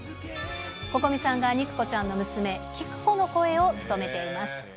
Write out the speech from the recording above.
Ｃｏｃｏｍｉさんが肉子ちゃんの娘、キクコの声を務めています。